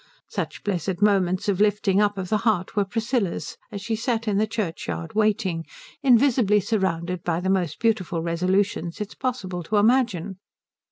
Such blessed moments of lifting up of the heart were Priscilla's as she sat in the churchyard waiting, invisibly surrounded by the most beautiful resolutions it is possible to imagine.